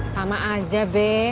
sama aja be